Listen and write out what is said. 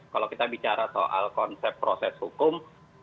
kalau kita bicara soal konsep proses hukum